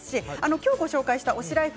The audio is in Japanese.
今日ご紹介した推しライフ